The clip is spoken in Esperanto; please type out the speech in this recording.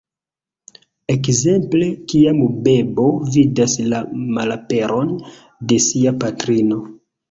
Ekzemple kiam bebo vidas la malaperon de sia patrino.